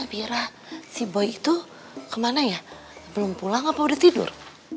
biarlah si boi itu kemana ya belum pulang apa udah tidur